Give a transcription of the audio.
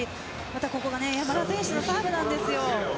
ここが山田選手のサーブなんです。